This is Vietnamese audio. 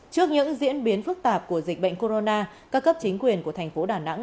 trước những diễn biến phức tạp của dịch bệnh corona các cấp chính quyền của thành phố đà nẵng